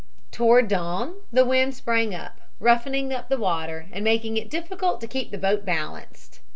"Toward dawn the wind sprang up, roughening up the water and making it difficult to keep the boat balanced.